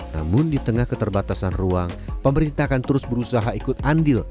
namun di tengah keterbatasan ruang pemerintah akan terus berusaha ikut andil